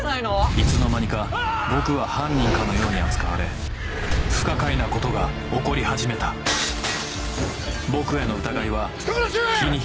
いつの間にか僕は犯人かのように扱われ不可解なことが起こり始めた僕への疑いは人殺し！